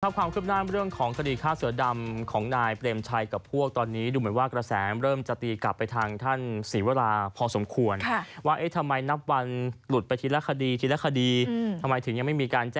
ดูมาว่ากระแสงกำลังจะตีกลับไปทางท่านสิวราพอสมควร